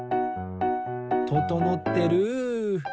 ととのってる！